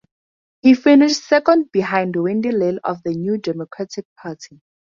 He finished second behind Wendy Lill of the New Democratic Party.